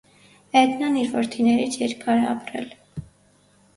Էդնան իր որդիներից երկար է ապրել։